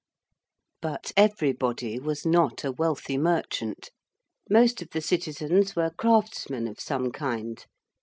But everybody was not a wealthy merchant: most of the citizens were craftsmen of some kind.